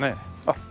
あっ。